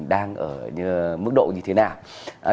đang ở mức độ như thế nào